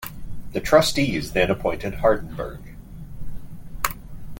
The trustees then appointed Hardenbergh.